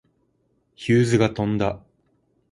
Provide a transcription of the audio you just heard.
ヒューズが飛んだ。